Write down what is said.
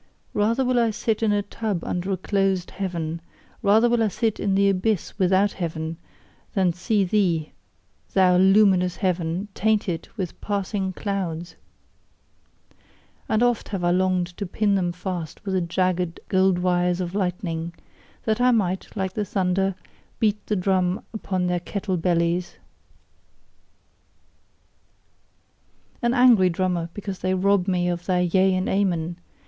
Rather will I sit in a tub under a closed heaven, rather will I sit in the abyss without heaven, than see thee, thou luminous heaven, tainted with passing clouds! And oft have I longed to pin them fast with the jagged gold wires of lightning, that I might, like the thunder, beat the drum upon their kettle bellies: An angry drummer, because they rob me of thy Yea and Amen!